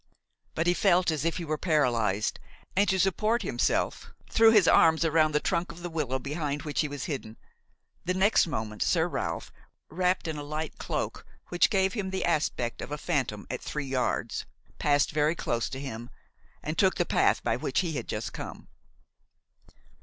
But he felt as if he were paralyzed, and, to support himself, threw his arms around the trunk of the willow behind which he was hidden. The next moment Sir Ralph, wrapped in a light cloak which gave him the aspect of a phantom at three yards, passed very close to him and took the path by which he had just come.